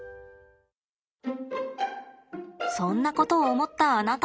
そんなことを思ったあなた。